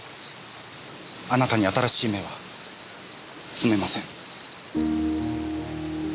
あなたに新しい芽は摘めません。